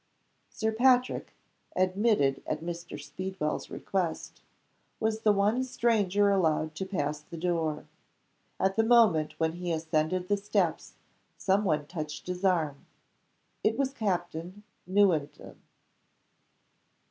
Sir Patrick (admitted at Mr. Speedwell's request) was the one stranger allowed to pass the door. At the moment when he was ascending the steps, some one touched his arm. It was Captain Newenden.